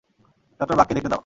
ডঃ বাককে দেখতে দাও।